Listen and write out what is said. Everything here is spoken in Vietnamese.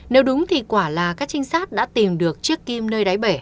nếu đúng thì quả là các trinh sát đã tìm được chiếc kim nơi đáy bể